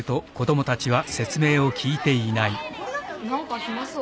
何か暇そう。